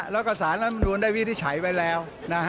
และก็สารแรมรุนได้วิจัยไปแล้ว